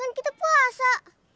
kan kita puasa